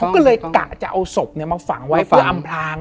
ก็เลยกะจะเอาศพมาฝังไว้เพื่ออำพลาง